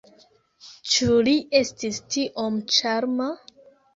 Ĉu li estis tiom ĉarma?